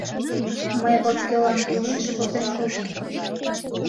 Мый вот кӧлан кӱлеш, возен колтем...